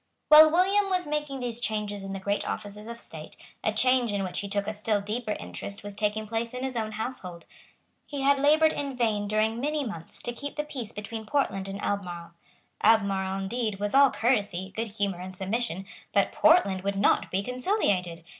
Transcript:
While William was making these changes in the great offices of state, a change in which he took a still deeper interest was taking place in his own household. He had laboured in vain during many months to keep the peace between Portland and Albemarle. Albemarle, indeed, was all courtesy, good humour, and submission; but Portland would not be conciliated.